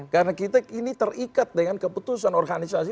karena kita ini terikat dengan keputusan organisasi